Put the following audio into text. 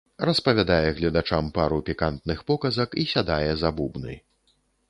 Распавядае гледачам пару пікантных показак і сядае за бубны.